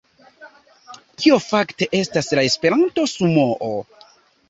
Kio fakte estas la Esperanto-sumoo?